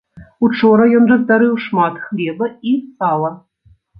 Учора ён раздарыў шмат хлеба і сала.